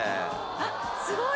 あっすごい。